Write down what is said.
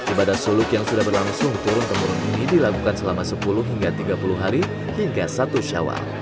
ibadah suluk yang sudah berlangsung turun temurun ini dilakukan selama sepuluh hingga tiga puluh hari hingga satu syawal